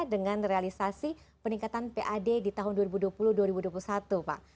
dengan realisasi peningkatan pad di tahun dua ribu dua puluh dua ribu dua puluh satu pak